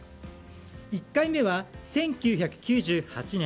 １回目は１９９８年。